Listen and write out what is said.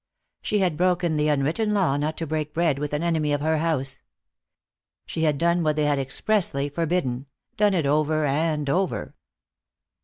She had broken the unwritten law not to break bread with an enemy of her house. She had done what they had expressly forbidden, done it over and over.